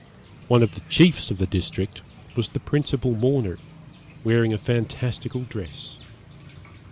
One of the chiefs of the district was the principal mourner, wearing a fantastical dress.